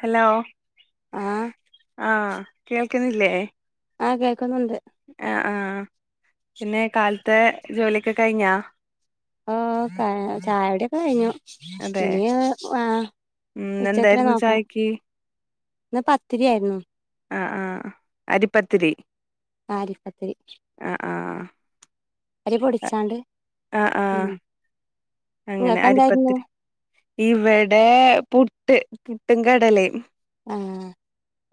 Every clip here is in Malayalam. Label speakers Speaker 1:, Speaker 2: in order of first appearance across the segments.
Speaker 1: ഹലോ
Speaker 2: ആഹ്
Speaker 1: ആഹ് കേൾക്കുന്നില്ലേ
Speaker 2: ആഹ് കേക്കുന്നോണ്ട്
Speaker 1: ആഹ് ആഹ് പിന്നെ കാലത്തെ ജോലിയൊക്കെ കഴിഞ്ഞാ?
Speaker 2: ആഹ് ചായകുടിയൊക്കെ കഴിഞ്ഞു.
Speaker 1: അതെ
Speaker 2: ഇനി ആഹ്
Speaker 1: ഉം
Speaker 2: ഉച്ചക്ക്ന്ന്
Speaker 1: എന്തായിരുന്നു
Speaker 2: നോക്കണം.
Speaker 1: ചായക്ക്
Speaker 2: ഇന്ന് പത്തിരിയാരുന്നു.
Speaker 1: ആഹ് ആഹ് അരിപ്പത്തിരി
Speaker 2: ആഹ് അരിപത്തിരി
Speaker 1: ആഹ് ആഹ്
Speaker 2: അരി പൊടിച്ചാണ്ട്
Speaker 1: ആഹ്
Speaker 2: ഉം
Speaker 1: ആഹ് അങ്ങനെ
Speaker 2: നിങ്ങൾക്ക് എന്തായിരുന്നു
Speaker 1: അരിപ്പത്തിരി. ഇവടെ പുട്ട്. പുട്ടും കടലേം
Speaker 2: ആഹ്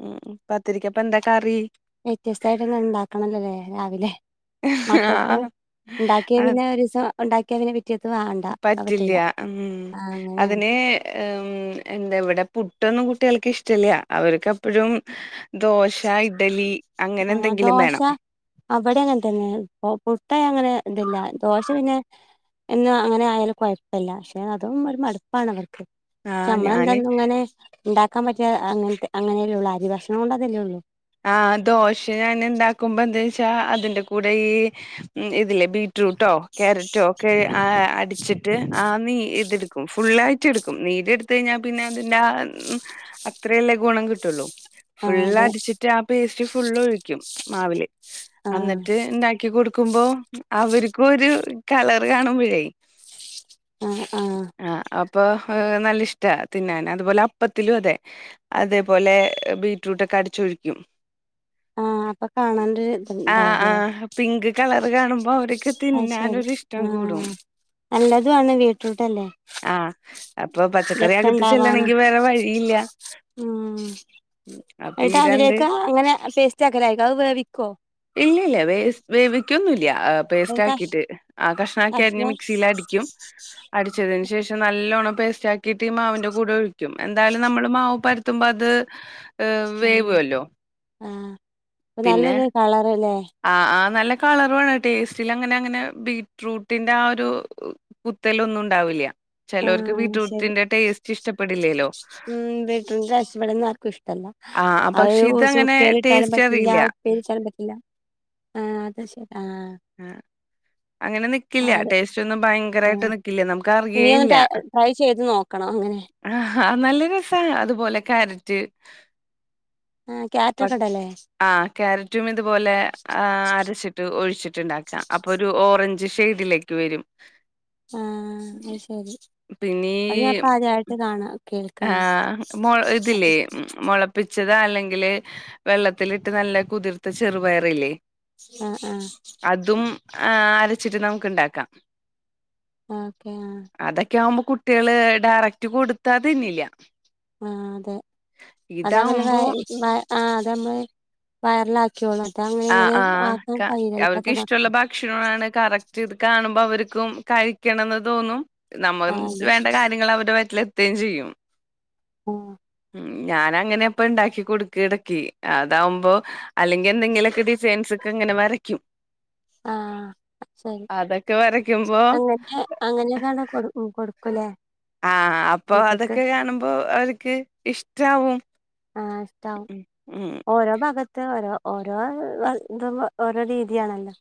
Speaker 1: ഉം പത്തിരിക്കപ്പ എന്താ കറി?
Speaker 2: വ്യത്യസ്തായിട്ടൊന്ന് ഇണ്ടാക്കണല്ലല്ലേ രാവിലെ മക്കക്ക്
Speaker 1: ആഹ്
Speaker 2: ഇണ്ടാക്കിയ
Speaker 1: ആഹ്
Speaker 2: പിന്നെ ഒരു ദിവസം ഒണ്ടാക്കിയ പിന്നെ പിറ്റേത്ത് വാ
Speaker 1: പറ്റില്ല ഉം അതിന് ഏഹ് ഉം എന്താ ഇവിടെ പുട്ടൊന്നും കുട്ടികൾക്ക് ഇഷ്ടല്ല അവർക്കെപ്പഴും ദോശ ഇഡ്ഡലി അങ്ങനെന്തെങ്കിലും വേണം.
Speaker 2: അവടെ അങ്ങനെത്തന്നെ പുട്ടയാ അങ്ങനെ ഇതില്ല ദോശ പിന്നെ എന്ന് അങ്ങനെ ആയാലും കൊഴപ്പല്ല പക്ഷേ അതും ഒരു മടുപ്പാണ് അവർ ക്ക് പക്ഷേ
Speaker 1: ആഹ് ഞാന്
Speaker 2: നമ്മളെന്താന്നങ്ങനെ ഇണ്ടാക്കാൻ പറ്റിയ അങ്ങനത്തെ അങ്ങനെയല്ലേ ഉള്ളൂ അരി ഭക്ഷണം കൊണ്ട് അതല്ലേ ഉള്ളൂ
Speaker 1: ആഹ് ദോശ ഞാൻ ഇണ്ടാക്കുമ്പോന്താച്ചാ അതിന്റെ കൂടെ ഈ ഇതിലെ ബീ റ്റ്റൂട്ടോ ക്യാരറ്റോ ഒക്കെ അടിച്ചിട്ട് ആ നീ ഇതെടുക്കും ഫുള്ളായിട്ട എടുക്കും നീര് എടുത്ത് കഴിഞ്ഞാൽ പിന്നെ അതിന്റെ ഉം അത്രയല്ലേ ഗുണം കിട്ടുള്ളൂ
Speaker 2: ആ
Speaker 1: ഫുള്ള്
Speaker 2: അതെ
Speaker 1: അടിച്ചിട്ട് ആ പേസ്റ്റ് ഫുള്ളൊഴിക്കും. മാവില്
Speaker 2: ആ
Speaker 1: അന്നിട്ട് ഇണ്ടാക്കി കൊടു ക്കുമ്പോ അവര്ക്കു ഒരു കളറ് കാണുമ്പോഴേ
Speaker 2: ആഹ് ആഹ്
Speaker 1: ആഹ് അപ്പോ നല്ല ഇഷ്ട തിന്നാന് അതുപോലെ അപ്പത്തിലും അതെ അതേപോലെ ബീറ്റ്റൂട്ടൊക്കെ അടിച്ചൊഴിക്കും.
Speaker 2: ആ അപ്പൊ കാണാനൊരു
Speaker 1: ആഹ്
Speaker 2: ഇത്ണ്ടാവൂലേ
Speaker 1: ആഹ് പിങ്ക് കളർ കാണുമ്പോ അവർക്ക്
Speaker 2: അത് ശരി
Speaker 1: തിന്നാനൊരു ഇഷ് ഷ്ടം
Speaker 2: ആ
Speaker 1: കൂടും
Speaker 2: നല്ലതു ആണ് ബീറ്റ്റൂട്ടല്ലേ
Speaker 1: ആഹ് അപ്പൊ പച്ചക്കറി അകത്ത്
Speaker 2: ഉണ്ടാവാനും
Speaker 1: ചെല്ലെണെങ്കി വേറെ വഴിയില്ലാ
Speaker 2: ഉം
Speaker 1: ഈ
Speaker 2: എന്നിട്ട്
Speaker 1: രണ്ട്
Speaker 2: അതിലേക്ക് അങ്ങനെ പേസ്റ്റ് ആക്കലായിക്കും അത് വേവിക്കോ?
Speaker 1: ഇല്ല ഇല്ലാ വേസ് വേവിക്കൊന്നുല്ലാ ആസ്
Speaker 2: ഒരു കഷ്
Speaker 1: പേസ്റ്റാക്കിയിട്ട് ആഹ് കഷ്ണാക്കി അരിഞ്ഞ്
Speaker 2: കഷ്ണം
Speaker 1: മിക്സിയിലടിക്കും അടിച്ചതിന് ശേഷം നല്ലോണ്ണം പേസ്റ്റാക്കിയിട്ട് ഈ മാവിൻ്റെ കൂടെ ഒഴിക്കും എന്തായാലും നമ്മൾ മാവ് പരുത്തുമ്പോ അത് അ
Speaker 2: ആഹ് ആഹ് ഇപ്പൊ നല്ലൊരു കളറ്ല്ലേ?
Speaker 1: ആഹ് ആഹ് നല്ല കളറുവാണ് ടേസ്റ്റിൽ അങ്ങനെ അങ്ങനെ ബീറ്റ്റൂട്ടിന്റെ ആ ഒരു കുത്തലൊന്നും ഇണ്ടാവില്ലാ
Speaker 2: ആ
Speaker 1: ചെലോർക്ക്
Speaker 2: ശരി
Speaker 1: ബീട്റൂട്ടിന്റെ ടേസ്റ്റ് ഇഷ്ട്ടപ്പെടില്ലല്ലോ?
Speaker 2: ഉം ബീറ്റ്റൂട്ടിൻ്റെ ടേസ്റ്റ് ഇബെടൊന്നും ആർക്കും ഇഷ്ട്ടല്ലാ
Speaker 1: ആ, ആ,
Speaker 2: അത്
Speaker 1: പക്ഷെ ഇതങ്ങനെ
Speaker 2: സുർക്കേലിട്ടാലും
Speaker 1: ടേസ്റ്റ്
Speaker 2: പറ്റില്ലാ
Speaker 1: അറിയില്ല.
Speaker 2: ഉപ്പേരിയെച്ചാലും പറ്റില്ലാ. ആഹ് അതാ ശെ ആഹ്
Speaker 1: ആഹ് അങ്ങനെ നിക്കില്ലാ
Speaker 2: അത്
Speaker 1: ടേസ്റ്റൊന്നും ഭയങ്കരായിട്ട്
Speaker 2: ആഹ്
Speaker 1: നിക്കില്ലാ നമക്
Speaker 2: ഇനി ഒന്ന് ടൈ ട്രൈ ചെയ്ത് നോക്കണം അങ്ങനെ
Speaker 1: ആഹ് നല്ല രസാ, അതുപോലെ ക്യാരറ്റ്
Speaker 2: ആഹ്
Speaker 1: [unintelligible]
Speaker 2: ക്യാറ്റൊക്കെണ്ടല്ലേ
Speaker 1: ആഹ് ക്യാരറ്റും ഇതുപോലെ ആഹ് അരച്ചി ട്ട് ഒഴിച്ചിട്ട്ണ്ടാക്കാ അപ്പൊ ഒരു ഓറഞ്ച് ഷെയ്ഡിലേക്ക് വരും
Speaker 2: ആഹ്
Speaker 1: ഉം.
Speaker 2: അയ് ശരി
Speaker 1: പിന്നെ
Speaker 2: അത്
Speaker 1: ഈ
Speaker 2: ഞാന്പ്പം ആദ്യായിട്ട് കാണാ കേൾക്കാണ്
Speaker 1: ആഹ് മൊ ഇതില്ലേ
Speaker 2: അപ്പൊ
Speaker 1: മൊള പ്പിച്ചതാ അല്ലെങ്കില് വെള്ളത്തിലിട്ട് നല്ല കുതിർത്ത ചെറുപയറില്ലേ
Speaker 2: ആഹ് ആഹ്
Speaker 1: അതും ആഹ് അരച്ചിട്ട് നമ്മക്ക് ഇണ്ടാക്കാം
Speaker 2: ഓക്കെ ആഹ്
Speaker 1: അതൊക്കെ ആവുമ്പോ കുട്ടികള് ഡയറക്റ്റ് കൊടുത്താ തിന്നില്ലാ
Speaker 2: ആഹ് അതെ അതാണല്ലോ [unintelligible] ആഹ് അതാ അമ്മള് വയറിലാക്കിയോള് അതങ്ങനെ
Speaker 1: ആഹ്
Speaker 2: ഇങ്ങനെ ആക്കാൻ കയില്ലല്ലോ പെട്ടന്ന് [unintelligible]
Speaker 1: ക്ഷണവു ആണ് കറക്റ്റ് ഇത് കാണുമ്പോ അവർക്കും കഴിക്കണന്ന് തോന്നും നമ്മളും
Speaker 2: ആഹ് അതെ
Speaker 1: വേണ്ട കാര്യങ്ങള് അവരെ വയറ്റിലെത്തോം ചെയ്യും
Speaker 2: ആഹ്
Speaker 1: ഉം ഞാനങ്ങനെ അപ്പൊ ഇണ്ടാക്കി കൊടുക്കും എടക്ക് അതാവുമ്പോ അല്ലെങ്കി എന്തെങ്കിലെ സൈൻസൊക്കെ ഇങ്ങനെ വരയ്ക്കും
Speaker 2: ആഹ് ശരി
Speaker 1: അതൊക്കെ വരക്കുമ്പോ
Speaker 2: അങ്ങനെ [unintelligible] കൊടുക്കും ഉം കൊടുക്കുംല്ലേ
Speaker 1: ആഹ് അപ്പൊ അതൊക്കെ കാണുമ്പോ ഓല്ക്ക് ഇഷ്ട്ടാവും
Speaker 2: ആഹ് ഇഷ്ട്ടാവും ഓരോ ഭാഗത് രോ ഓരോ ഏഹ് വ ഇതും ഓരോ രീതിയാണല്ലോ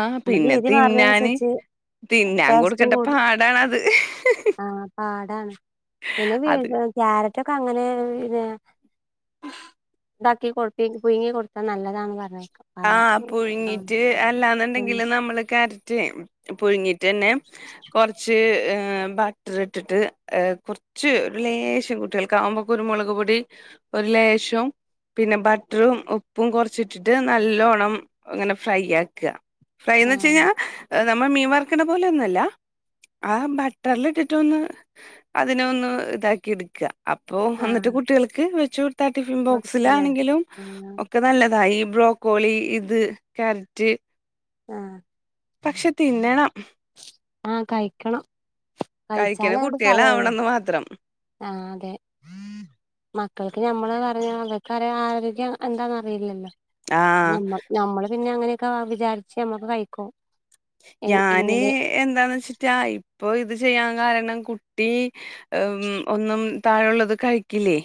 Speaker 1: ആഹ്
Speaker 2: നമ്മ
Speaker 1: പിന്നെ
Speaker 2: രീതി
Speaker 1: തിന്നാന്
Speaker 2: മാറുന്നതിനനുസരിച്ച്
Speaker 1: തിന്നാൻ കൊടുക്കണ്ടെ പാടാണത്
Speaker 2: ആഹ് പാടാണ് പിന്നെ വീ
Speaker 1: അത്
Speaker 2: ക്യാരറ്റൊക്കെ അങ്ങനെ [unintelligible] ഇണ്ടാക്കി കൊ പുയുങ്ങി കൊടുത്താ നല്ലതാന്ന് പറഞ്ഞേക്കാ
Speaker 1: ആഹ് പുഴുങ്ങീറ്റ് അല്ലാന്ന്ണ്ടെങ്കില് നമ്മള് ക്യാരറ്റ് പുഴുങ്ങി റ്റെന്നെ കൊറച്ച് ഏഹ് ബ ട്ടറ് ഇട്ടിട്ട് ഏഹ് കൊറച്ച് ഒരു ലേശം കുട്ടികൾക്കാവുമ്പോ കുരുമുളക് പൊടി ഒരു ലേശം പിന്നെ ബട്ടറും ഉപ്പും കൊറച്ചിട്ടിട്ട് നല്ലോണം ഇങ്ങനെ ഫ്രൈ ആക്കാ
Speaker 2: ആ
Speaker 1: ഫ്രൈന്ന് വെച്ച് കയിഞ്ഞാ ഏഹ് നമ്മള് മീൻവറക്കണ പോലെ ഒന്നു അല്ലാ ആ ബട്ടറിലിട്ടിട്ടൊന്ന് അതിനെ ഒന്ന് ഇതാക്കിയെടുക്ക അപ്പോ
Speaker 2: ആ
Speaker 1: എന്നിട്ട് കുട്ടികൾക്ക് വെച്ച് ടുത്തെ ടിഫിൻ
Speaker 2: കൊടുക്കല്ലേ
Speaker 1: ബോക്സിലാണെങ്കിലും
Speaker 2: ആ
Speaker 1: ഒക്കെ നല്ലതാ ഈബ്ലോ കോളി ഇത് ക്യരറ്റ്
Speaker 2: ആഹ്
Speaker 1: പക്ഷെ തിന്നണം
Speaker 2: ആഹ് കഴിക്കണം
Speaker 1: കഴിക്കണ
Speaker 2: കഴിച്ചാലേ അത്ണ്ട് ഫലംഉള്ളു
Speaker 1: കുട്ടികളാവണംന്ന് മാത്രം.
Speaker 2: ആഹ് അതെ മക്കൾക്ക് ഞമ്മള് പറഞ്ഞ മക്കക്ക്റിയ ആരോഗ്യം എന്താന്ന് അറിയില്ലല്ലോ
Speaker 1: ആ
Speaker 2: ഞമ്മ ഞമ്മള് പിന്നെ അങ്ങനെയൊക്കാ വിചാരിച്ച് ഞമ്മക്ക് കഴിക്കും എ
Speaker 1: ഞാന്
Speaker 2: ഇങ്ങനെ
Speaker 1: എന്താണ് വെച്ചിട്ടാ ഇപ്പൊ ഇത് ചെയ്യാൻ കാരണം കുട്ടി ഏമ് ഒന്നും താഴുള്ളത് കഴിക്കില്ലേ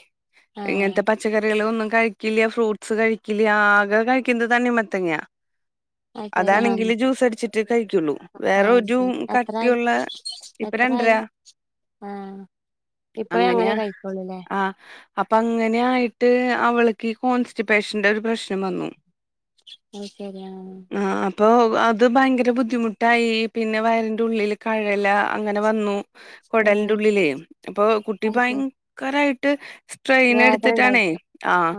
Speaker 2: ആ
Speaker 1: ഇങ്ങനത്തെ പച്ചക്കറികൾ ഒന്നും കഴി ക്കില്ല ഫ്രൂട്ട്സ് കഴിക്കില്ല ആകെ കഴിക്കുന്ന തണ്ണി മത്തങ്ങാ
Speaker 2: അതെ ആ
Speaker 1: അതാണെങ്കില് ജ്യൂസ് അടിച്ച് കഴിക്കുള്ളൂ
Speaker 2: ആ
Speaker 1: വേറൊരു
Speaker 2: ശരി എത്രായി
Speaker 1: കട്ടിഉള്ളെ ഇപ്പ രണ്ടര
Speaker 2: എത്രായി ആഹ് ഇപ്പേ അങ്ങനെ കഴിക്കുള്ളൂല്ലേ
Speaker 1: ആഹ് അപ്പൊ അങ്ങനെ ആയിട്ട് അവൾക്കി കോൺസ്റ്റിപേഷന്റെ ഒരു പ്രശ്നം വന്നു
Speaker 2: അയ് ശരി ആഹ്
Speaker 1: ആഹ് അപ്പൊ അത് ഭയങ്കര ബുദ്ധിമുട്ടായി പിന്നെ വയറിന്റെ ഉള്ളില് കഴല അങ്ങനെ വന്നു കൊടൽന്റെ
Speaker 2: ആഹ്
Speaker 1: ഉള്ളിലേ അപ്പൊ കുട്ടി
Speaker 2: അത് ശരി
Speaker 1: ഭയങ്കരായിട്ട് സ്‌
Speaker 2: വേദന
Speaker 1: ട്രെയിനെടുത്തിട്ടാണേ
Speaker 2: ഉണ്ടായിരിക്കും
Speaker 1: ആഹ്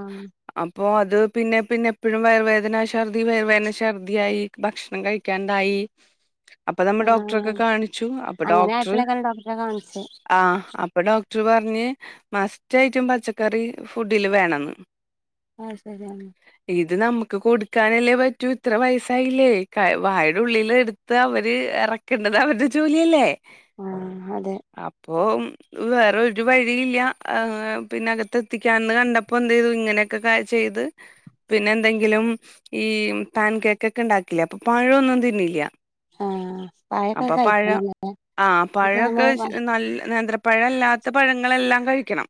Speaker 1: അപ്പൊ അത് പിന്നെ പിന്നെ എപ്പഴും വയറുവേദനാ ശർദ്ധി, വയറു വേദന, ശർദ്ധിയായി ഭക്ഷണം കഴി ക്കാണ്ടായി അപ്പ നമ്മ ഡോക്ടറോക്കെ
Speaker 2: ആഹ്
Speaker 1: കാണിച്ചു അപ്പൊ
Speaker 2: അങ്ങനെ
Speaker 1: ഡോക്ടർ
Speaker 2: ആയപ്പോളേക്കാരം ഡോക്ടറെ കാണിച്ചെ
Speaker 1: ആഹ് അപ്പൊ ഡോക്ടർ പറഞ്ഞ് മസ്റ്റ്ട്ടും പച്ചക്കറി ഫുഡില് വേണംന്ന്
Speaker 2: ആഹ് ശരി എന്ന
Speaker 1: ഇത് നമുക്ക് കൊടുക്കാനല്ലേ പറ്റൂ ഇത്ര വയസായില്ലേ കാ വായുടെ ഉള്ളില് എടുത്ത് അവര് എറക്കേണ്ടത് അവരുടെ ജോലിയല്ലേ
Speaker 2: ആഹ് അതെ
Speaker 1: അപ്പോ ഉം വേറെ ഒരു വഴിയില്ല ഏഹ് പിന്നെ അകത്തെത്തിക്കാന്ന് കണ്ടപ്പോ എന്ത് ചെയ്തു ഇങ്ങനെ ഒക്കെ ക ചെയ്ത് പിന്നെ എന്തെങ്കിലും ഈ പാൻ കേക്ക് ഒക്കെ ഉണ്ടാക്കില്ലേ അപ്പൊ പഴഒന്നും തിന്നില്ല
Speaker 2: ആഹ് പഴൊക്കെ
Speaker 1: അപ്പൊ പഴ
Speaker 2: കഴിക്കണല്ലേ
Speaker 1: ആഹ്
Speaker 2: ഇപ്പ
Speaker 1: പഴൊക്കെ
Speaker 2: നമ്മള് പ
Speaker 1: നല്ല നേത്ര പഴല്ലാത്ത പഴങ്ങളെല്ലാം കഴിക്കണം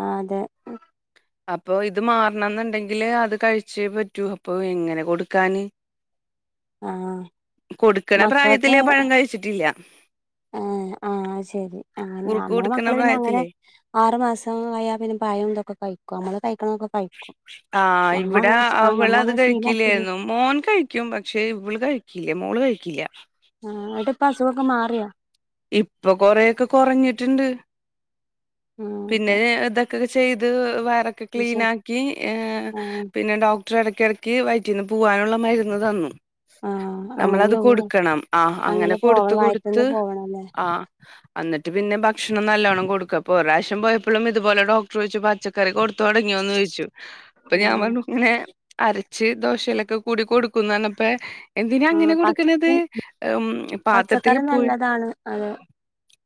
Speaker 2: ആഹ് അതെ
Speaker 1: അപ്പൊ ഇത് മാറണം എന്നുണ്ടെങ്കില് അത് കഴിച്ചേ പറ്റൂ അപ്പൊ എങ്ങനെ കൊടുക്കാന്
Speaker 2: ആഹ് ആഹ്
Speaker 1: കൊടുക്കണ പ്രായത്തില് പഴം കഴിച്ചിട്ടില്ല
Speaker 2: ആഹ് ആഹ് ശെരി അങ്ങനെ
Speaker 1: കുറുക്ക്
Speaker 2: നമ്മളെ
Speaker 1: കൊടുക്കണ
Speaker 2: മക്കള് പിന്നെ അങ്ങനെ
Speaker 1: പ്രായത്തിലേ
Speaker 2: ആറു മാസം അയാൽ പിന്നെ പയം ഇതൊക്കെ കഴിക്കും നമ്മള് കഴിക്കണതൊക്കെ കഴിക്കും
Speaker 1: ആഹ് ഇവിടെ
Speaker 2: ഞമ്മളങ്ങനെ ശ ആഹ്
Speaker 1: അവളത്
Speaker 2: ഞമ്മളങ്ങനെ ശീലാക്കിരുന്നു
Speaker 1: കഴിക്കില്ലായിരുന്നു മോൻ കഴി കും പക്ഷേ ഇവള് കഴിക്കില്ല മോള് കഴിക്കില്ല
Speaker 2: ആഹ് എന്ന്ട്ട്പ്പ അസുഖമൊക്കെ മാറിയാ
Speaker 1: ഇപ്പൊ കൊറെയൊക്കെ കുറഞ്ഞിട്ടുണ്ട്
Speaker 2: ആഹ്
Speaker 1: പിന്നെ
Speaker 2: ഓക്കെ
Speaker 1: ഇതൊക്കെ ചെയ്ത് വയറൊക്കെ ക്ലീനാക്കി ഏഹ്
Speaker 2: ആഹ്
Speaker 1: പിന്നെ ഡോ ക്ടർ ഇടയ്ക്കിടയ്ക്ക് വയറ്റീന്ന് പോവാനുള്ള മരുന്ന് തന്നു
Speaker 2: ആഹ് അങ്ങനെ
Speaker 1: നമ്മളത്
Speaker 2: ലോ
Speaker 1: കൊടുക്കണം ആഹ് അങ്ങനെ കൊടുത്ത്
Speaker 2: പോവണം
Speaker 1: കൊടുത്ത്
Speaker 2: വയറ്റിന്ന് പോവണല്ലേ
Speaker 1: ആഹ് എന്നിട്ട് പിന്നെ ഭക്ഷണം നല്ലോണ്ണം കൊടുക്കുക അപ്പ ഒരു പ്രാവശ്യം പോയപ്പോഴും ഇതുപോലെ ഡോക്ടർ ചോയ്ച്ച് പച്ച ക്കറി കൊടുത്തു തുടങ്ങിയോന്ന് ചോദിച്ചു അപ്പൊ ഞാൻ
Speaker 2: ആഹ്
Speaker 1: പറഞ്ഞു ഇങ്ങനെ അരച്ച് ദോശയിലൊക്കെ കൂടി കൊടുക്കുന്നു പറഞ്ഞപ്പെ എന്തിനാ
Speaker 2: ആഹ്
Speaker 1: അങ്ങനെ
Speaker 2: പച്ച
Speaker 1: കൊടുക്കണത് ഉം പാത്രത്തിൽ
Speaker 2: പച്ചക്കറി
Speaker 1: പു
Speaker 2: നല്ലതാണ് അത്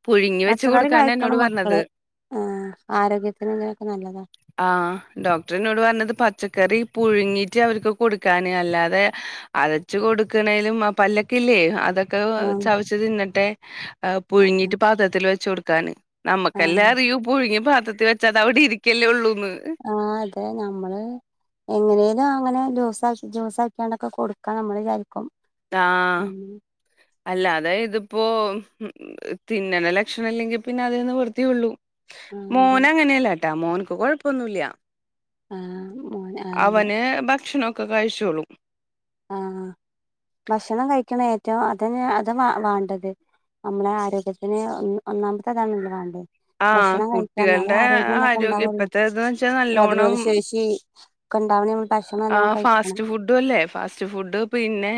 Speaker 1: പുഴുങ്ങി വെച്ച്
Speaker 2: പച്ചക്കറി
Speaker 1: കൊടുക്കാനാ എന്നോട്
Speaker 2: കഴിക്കണം
Speaker 1: പറഞ്ഞത്
Speaker 2: മക്കള് ആഹ് ആരോഗ്യത്തിന് അങ്ങനെയാക്കെ നല്ലതാ
Speaker 1: ആഹ് ഡോക്ടറിനോട് പറഞ്ഞത് പച്ചക്കറി പുഴുങ്ങിട്ട് അവർക്ക് കൊടുക്കാന് അല്ലാതെ അരച്ച് കൊടുക്കണേലും പല്ലൊക്കെ ഇല്ലേ അത് ക്കെ
Speaker 2: ആഹ്
Speaker 1: ചവച്ച് തിന്നട്ടെ ഏഹ്
Speaker 2: ആഹ്
Speaker 1: പുഴുങ്ങിട്ട് പാത്രത്തിൽ വെച്ച് കൊടുക്കാന് നമ്മുക്കല്ലെ
Speaker 2: ആഹ്
Speaker 1: അറിയൂ പുഴുങ്ങി പാത്രത്തി വെച്ചാത് അവിടെ ഇരിക്കല്ലേ ഉള്ളൂന്ന്
Speaker 2: ആഹ് അതെ നമ്മള് എങ്ങനേലും അങ്ങനെ ജ്യൂസ് ആക്കി ജ്യൂസ് ആക്കാണ്ടൊക്കെ കൊടുക്കാ നമ്മൾ വിചാരിക്കും
Speaker 1: ആഹ്
Speaker 2: ഉം
Speaker 1: അല്ലാതെ ഇതിപ്പോ തിന്നണ ലക്ഷണം ഇല്ലെങ്കിൽ പിന്നെ അതേ നിവൃത്തിയുള്ളൂ
Speaker 2: ആഹ് അതെ
Speaker 1: മോനങ്ങനെയല്ലാട്ടാ മോൻക്ക് കൊഴപ്പൊന്നുല്ല
Speaker 2: ആഹ് മോന് ആഹ് അതെ
Speaker 1: അവന് ഭക്ഷണമൊക്കെ കഴിച്ചോളും
Speaker 2: ആഹ് ഭക്ഷണം കഴിക്കണം ഏറ്റവും അതിന് അത് വ വേണ്ടത് നമ്മളെ ആരോഗ്യത്തിന് ഒന്നാമത്തെ അതാണല്ലോ വാണ്ടത്
Speaker 1: ആഹ്
Speaker 2: ഭക്ഷണം കഴിക്കാ എന്നാലെ
Speaker 1: കുട്ടികളുടെ
Speaker 2: ആരോഗ്യം ഇതൊക്കെ ഉണ്ടാവുള്ളൂ
Speaker 1: ഇപ്പത്തെ ഇത് വെച്ചാ
Speaker 2: പ്രതിരോധ
Speaker 1: നല്ലോണം
Speaker 2: ശേഷി ഒക്കെ ഉണ്ടാവണേ ഭക്ഷണം നല്ലോണം
Speaker 1: ആഹ്
Speaker 2: കഴിക്കണം
Speaker 1: ഫാസ്റ്റ് ഫുഡ് ല്ലേ ഫാസ്റ്റ് ഫുഡ് പിന്നെ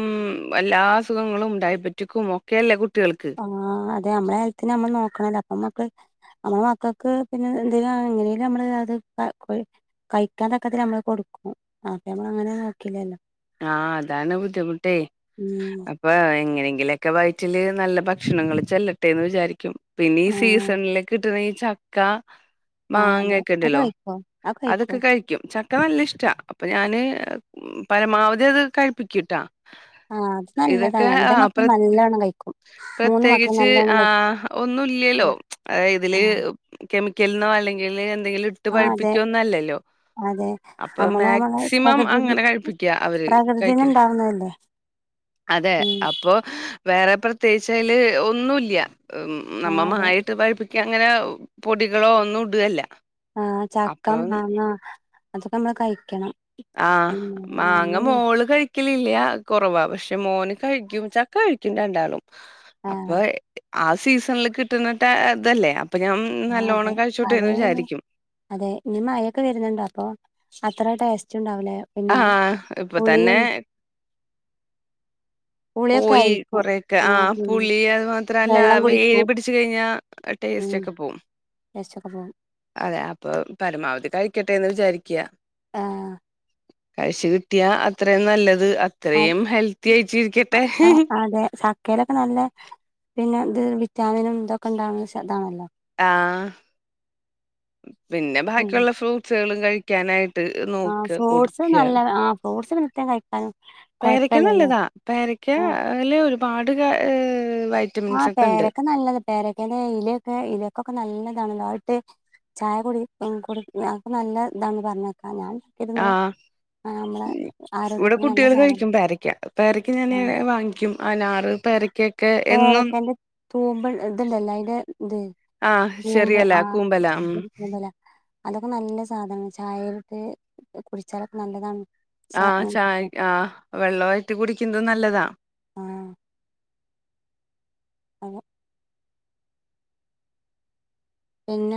Speaker 1: മ്മ് എല്ലാ അസുഖങ്ങളും ഡയബറ്റിക്കും ഒ ക്കെ അല്ലെ കുട്ടികള്ക്ക്
Speaker 2: ആഹ് അതെ ഞമ്മാ കാര്യത്തിന് ഞമ്മാ നോക്കണം അപ്പൊ ഞമ്മക്ക് ഞമ്മള് മക്കക്ക് പിന്നെ എന്തിനാ എങ്ങനെലും ഞമ്മള് അത് [unintelligible] കയിക്ക്യാത്തക്കത്തി ഞമ്മള് കൊടുക്കും അപ്പാ ഞമ്മള് അങ്ങനെ നോക്കില്ലാ അല്ലോ
Speaker 1: ആഹ് അതാണ് ബുദ്ധിമൂട്ടേയെ
Speaker 2: ഉം
Speaker 1: അ പ്പാ എങ്ങനെങ്കിലും ഓക്കെ വയറ്റില് നല്ല ഭക്ഷണങ്ങാള് ചെല്ലാട്ടെന്ന് വിചാരിക്കും പിന്നെ ഈ
Speaker 2: ആ
Speaker 1: സീസണില് കിട്ടാണെ ഈ ചക്കാ
Speaker 2: ആ അതെ
Speaker 1: മാങ്ങാക്കെ
Speaker 2: അത്
Speaker 1: ഇണ്ടല്ലോ
Speaker 2: കഴിക്കോ അത് കഴിക്കോ
Speaker 1: അതൊക്കെ കയിക്കും ച ക്കാ വല്ല്യാ ഇഷ്ടാ അപ്പൊ ഞാന് ഉം പരമാവധി അത് കയിപ്പിക്ക്യൂട്ടാ
Speaker 2: ആഹ്
Speaker 1: ഇതൊക്കെ ആഹ് പ്ര
Speaker 2: കഴിക്കും മൂന്ന് മക്കളും
Speaker 1: പ്രത്യേകിച്ച്
Speaker 2: നല്ലോണ്ണം കഴിക്കും
Speaker 1: ആഹ് ഒന്നും ഇല്ല്യാല്ലോ ആഹ് ഇതില് കെമിക്ക്യല് എന്നോ അല്ലെങ്കില് എന്തെങ്കിലും ഇട്ട് ഇട്ട്
Speaker 2: ആഹ് അതെ
Speaker 1: പയിപ്പിക്കേന്നും അല്ലാല്ലോ
Speaker 2: അതെ
Speaker 1: അപ്പൊ
Speaker 2: നമ്മള് നമ്മള്
Speaker 1: മാക്സിമം
Speaker 2: പ്രകൃതിന്ന്
Speaker 1: അങ്ങനെ കയിപ്പി ക്ക്യയാ അവര്
Speaker 2: പ്രകൃതിന്ന്
Speaker 1: കഴിക്ക്യയാ
Speaker 2: ഇണ്ടാവുന്നതല്ലേ
Speaker 1: അതെ
Speaker 2: ഉം
Speaker 1: അപ്പൊ വേറെ പ്രത്യേകെച്ചാ അയ്ല് ഒന്നുല്ല്യാ ഉം
Speaker 2: ആഹ്
Speaker 1: നമ്മാ
Speaker 2: അതെ
Speaker 1: മായാ ഇട്ട് പഴ് ക്ക്യാ അങ്ങനെ പൊടികളോ ഒന്നും ഇടാക്യാല്ല
Speaker 2: ആഹ് ചക്കാ മാങ്ങാ അതൊക്കെ ഞമ്മള് കയിക്ക്യണം
Speaker 1: ആഹ് മാങ്ങ മോള് കയിക് ക്ക്യല്ല്ല്യാ കൊറവാ പശെ മോന് കയിക്കും ചക്കാ കയിക്കും രണ്ടാളും
Speaker 2: ആഹ്
Speaker 1: അപ്പേ ആഹ് സീസണില് കിട്ട്ണട്ടെ ഇതല്ലേ അപ്പൊ ഞ്ഞം
Speaker 2: ആഹ് അതെ
Speaker 1: നല്ലോണം കയിച്ചോട്ടെ
Speaker 2: അത്
Speaker 1: എന്ന് വിചാരിക്കും
Speaker 2: അതെ ഇനി മഴൊക്കെ വെര്ന്നോണ്ടോ അപ്പൊ അത്ര ടേസ്റ്റ് ഇണ്ടാവൂല്ലേ പിന്നെ
Speaker 1: ആഹ് ഇപ്പൊ തന്നെ
Speaker 2: പുളിയും പുളിയൊക്കെ
Speaker 1: പോയി
Speaker 2: ആയിരിക്കും
Speaker 1: കൊറേക്കെ ആഹ്
Speaker 2: പിന്നെ
Speaker 1: പുള്ളി അത് മാത്രാ അല്ലാ
Speaker 2: വെള്ളം
Speaker 1: വെ
Speaker 2: കുടിക്കും
Speaker 1: പിടിച്ച് കയിഞ്ഞാ അഹ് ടേസ്റ്റക്കെ പോം
Speaker 2: ടെസ്റ്റൊക്കെ ‌ പോവും
Speaker 1: അതെ അപ്പൊ പരമാവധി കയിക്ക്യാട്ടെന്ന് വിചാരിക്ക്യ
Speaker 2: ആഹ്
Speaker 1: കയിച്ച് കിട്ടിയ്യാ അത്രേയും നല്ലത്
Speaker 2: അത്
Speaker 1: അത്രേയും ഹെൽത്തിയാട്ട്
Speaker 2: അഹ്
Speaker 1: ഇരിക്ക്യാട്ടെ
Speaker 2: അഹ് അതെ ചക്കലൊക്കെ നല്ലേ പിന്നെ ഇത് വിറ്റാമിനും ഇതൊക്കെ ഇണ്ടാവ്ണെ [unintelligible] ആണല്ലോ
Speaker 1: ആഹ് പിന്നെ
Speaker 2: ഉം
Speaker 1: ബാക്കിയോള്ള ഫ്രൂട്ട്സ്കളും കയ് ക്ക്യാനായിട്ട്
Speaker 2: ആഹ്
Speaker 1: നോക്കാ
Speaker 2: ഫ്രൂട്ട്സ്
Speaker 1: കൊട്ക്ക്യാ
Speaker 2: നല്ല ആഹ് ഫ്രൂട്ട്സ് നിത്യം കഴിക്കാനും
Speaker 1: പേരക്ക്യാ
Speaker 2: കൊഴപ്പല്ലല്ലോ
Speaker 1: നല്ലതാ പേരക്ക്യാ
Speaker 2: ആഹ്
Speaker 1: അല്ലെ ഒര്പാട് കാ എഹ് വൈ
Speaker 2: ആഹ് പേരാക്കെ നല്ലതാ പേരക്ക്യേന്റെ ഇലേക്കെ ഇലക്കൊക്കെ നല്ലതാ [unintelligible] ചായ കുടി ഉം [unintelligible] നല്ല ഇതാണ് പറഞ്ഞേക്കാം ഞാൻ ഉണ്ടാക്കിയിരുന്നു
Speaker 1: ആഹ്
Speaker 2: ആഹ് നമ്മളെ
Speaker 1: ഇവടെ
Speaker 2: ആരോഗ്യത്തിന് നല്ല
Speaker 1: കുട്ട്യോള്
Speaker 2: സാധനം
Speaker 1: കയിക്കും പേരാക്ക്യാ പേരാക്ക്യാ ഞാന്
Speaker 2: ആഹ്
Speaker 1: വാങ്ങി ക്ക്യൂം അനാറ് പേരാക്ക്യാ
Speaker 2: പേരക്ക്യേന്റെ തൂമ്പ് ഇത് ഇണ്ടല്ലോ അയിന്റെ ഇത്
Speaker 1: ആഹ്
Speaker 2: തൂമ്പ്
Speaker 1: ചെറിയല
Speaker 2: ആഹ്
Speaker 1: കൂമ്പല ഉം
Speaker 2: [unintelligible] അതൊക്കെ നല്ലാ സാധനാണ് ചായലോക്കെ കുടിച്ചാലൊക്കെ നല്ലതാണ് ച
Speaker 1: ആഹ് ചായ ആഹ് വെള്ളായിട്ട് കുടിക്ക്യാന്നത് നല്ലതാ
Speaker 2: ആഹ് [unintelligible] പിന്നെ